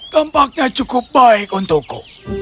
tempaknya cukup baik untukku